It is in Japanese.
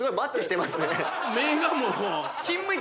目がもう。